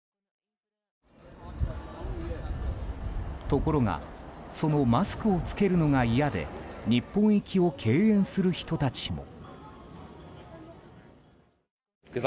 ところがそのマスクを着けるのが嫌で日本行きを敬遠する人たちも。